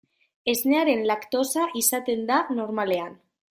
Esnearen laktosa izaten da, normalean.